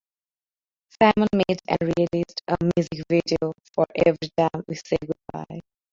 Simon made and released a music video for Ev'ry Time We Say Goodbye.